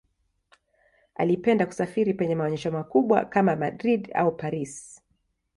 Alipenda kusafiri penye maonyesho makubwa kama Madrid au Paris.